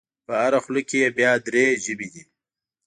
په هره خوله کې یې بیا درې ژبې دي.